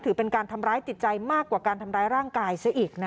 ถือเป็นการทำร้ายจิตใจมากกว่าการทำร้ายร่างกายซะอีก